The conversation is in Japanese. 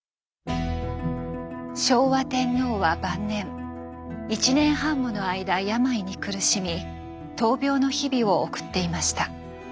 昭和天皇は晩年１年半もの間病に苦しみ闘病の日々を送っていました。